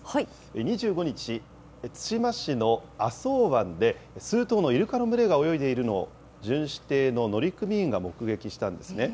２５日、対馬市の浅茅湾で、数頭のイルカの群れが泳いでいるのを、巡視艇の乗組員が目撃したんですね。